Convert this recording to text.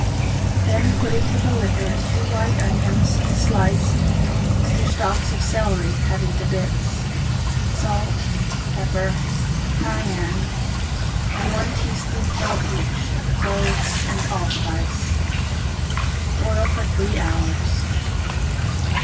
Then put into the liquor two white onions sliced, two stalks of celery cut into bits, salt, pepper, cayenne, and one teaspoonful each of cloves and allspice. Boil for three hours.